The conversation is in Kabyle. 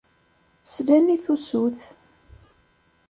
Slan i tusut.